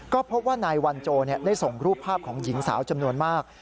ก็พบว่านายวันโจได้ส่งรูปภาพของหญิงสาวจำนวนมาก